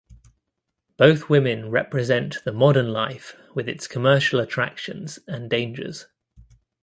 Both women represent the modern life with its commercial attractions and dangers.